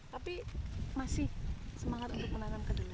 tapi masih semangat untuk menanam kedelai